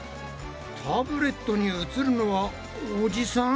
タブレットに映るのはおじさん？